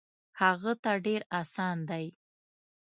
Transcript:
هغه ته ډېر اسان دی.